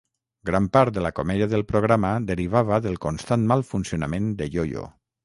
Gran part de la comèdia del programa derivava del constant mal funcionament de Yoyo.